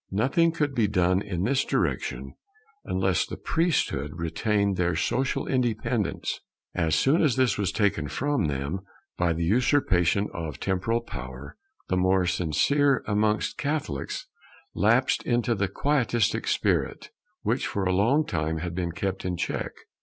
Nothing could be done in this direction unless the priesthood retained their social independence. As soon as this was taken from them by the usurpation of the temporal power, the more sincere amongst Catholics lapsed into the quietistic spirit which for a long time had been kept in check.